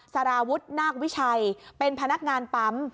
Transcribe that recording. สารวุฒินาควิชัยเป็นพนักงานปั๊ม